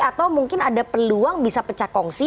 atau mungkin ada peluang bisa pecahkongsi